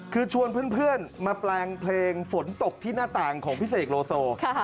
คือชวนเพื่อนมาแปลงเพลงฝนตกที่หน้าต่างของพี่เสกโลโซ